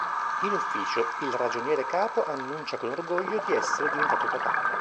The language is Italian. In ufficio, il ragioniere capo annuncia con orgoglio di essere diventato papà.